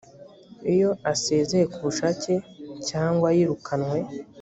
iyo asezeye ku bushake cyangwa yirukanywe